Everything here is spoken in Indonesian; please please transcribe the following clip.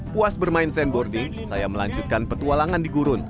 puas bermain sandboarding saya melanjutkan petualangan di gurun